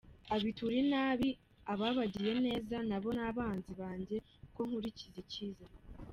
Abitura inabi ababagiriye neza, Na bo ni abanzi banjye kuko nkurikiza icyiza.